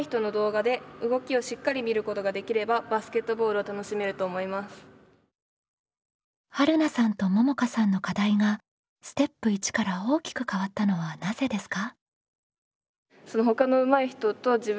はるなさんとももかさんの課題がステップ１から大きく変わったのはなぜですか？